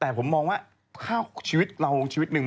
แต่ผมมองว่าถ้าชีวิตเราชีวิตหนึ่ง